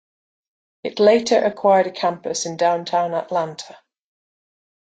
It later acquired a campus in downtown Atlanta.